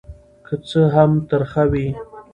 که څه هم ترخه وي.